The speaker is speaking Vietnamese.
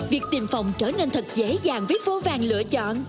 việc tìm phòng trở nên thật dễ dàng với vô vàng lựa chọn